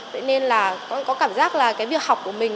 vậy nên là con có cảm giác là cái việc học của mình